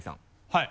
はい。